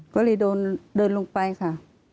ก็เลยเดินลงไปค่ะ